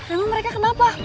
emang mereka kenapa